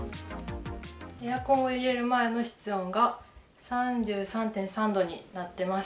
エアコンを入れる前の室温が３３．３℃になっています。